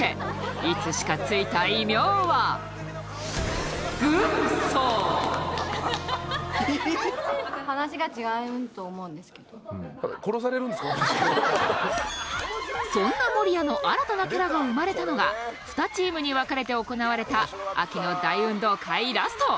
いつしかついた異名はそんな守屋の新たなキャラが生まれたのが２チームに分かれて行われた秋の大運動会ラスト。